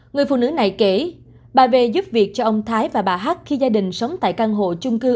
người phụ nữ này kể bà b giúp việc cho ông thái và bà hát khi gia đình sống tại căn hộ chung cư